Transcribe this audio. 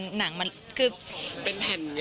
เป็นแผ่นเยอะเลยหรือคะ